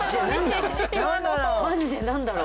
マジで何だろう？